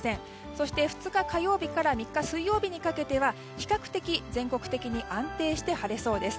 そして２日、火曜日から３日、水曜日にかけては比較的全国的に安定して晴れそうです。